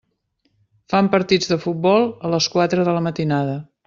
Fan partits de futbol a les quatre de la matinada.